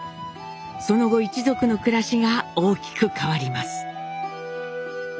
その後一族の暮らしが大きく変わります。